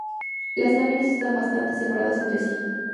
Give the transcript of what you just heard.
Las laminas están bastante separadas entre sí.